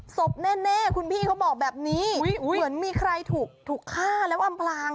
ศพแน่คุณพี่เขาบอกแบบนี้เหมือนมีใครถูกฆ่าแล้วอำพลาง